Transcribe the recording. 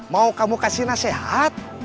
mau kamu kasih nasihat